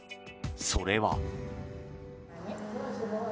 それは。